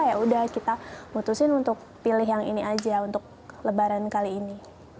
ya udah kita putusin untuk pilih yang ini aja untuk lebaran kali ini